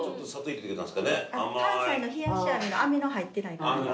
関西のひやしあめのあめの入ってない感じ。